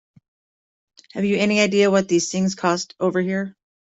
Have you any idea what these things cost over here?